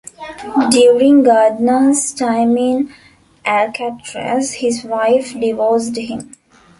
During Gardner's time in Alcatraz, his wife divorced him.